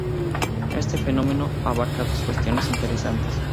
Este fenómeno abarca dos cuestiones interesantes.